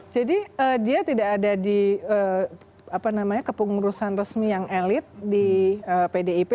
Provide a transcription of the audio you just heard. jadi dia tidak ada di kepengurusan resmi yang elit di pdip